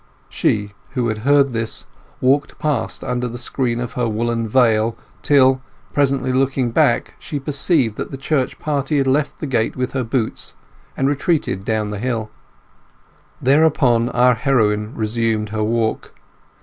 She, who had heard this, walked past under the screen of her woollen veil till, presently looking back, she perceived that the church party had left the gate with her boots and retreated down the hill. Thereupon our heroine resumed her walk.